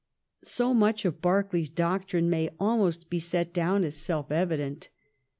So much of Berkeley's doctrine may almost be set down as self evident.